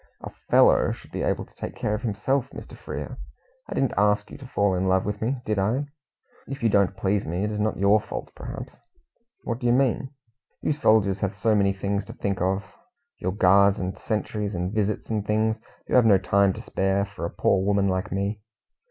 "A 'fellow' should be able to take care of himself, Mr. Frere. I didn't ask you to fall in love with me, did I? If you don't please me, it is not your fault, perhaps." "What do you mean?" "You soldiers have so many things to think of your guards and sentries, and visits and things. You have no time to spare for a poor woman like me."